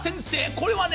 これはね